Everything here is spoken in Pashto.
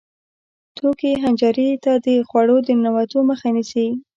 توکې حنجرې ته د خوړو د ننوتو مخه نیسي.